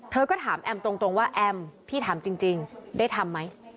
เธอก็ถามแอมตรงว่าแอมพี่ถามจริงได้ทำไหม